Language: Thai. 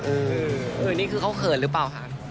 เหมือนงี้คือเขาเขินรึเปล่าครับ